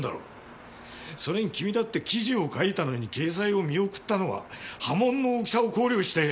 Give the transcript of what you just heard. それに君だって記事を書いたのに掲載を見送ったのは波紋の大きさを考慮して！